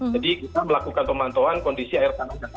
jadi kita melakukan pemantauan kondisi air tanah jatuh